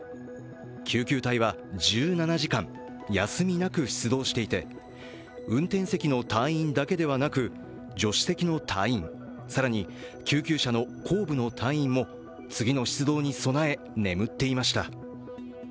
救急隊は１７時間休みなく出動していて運転席の隊員だけではなく助手席の隊員更に救急車の後部の隊員も次の出動に備え眠っていました。